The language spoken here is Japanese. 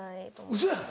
ウソやん！